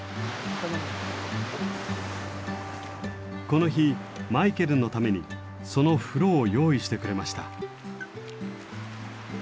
この日マイケルのためにその風呂を用意してくれました。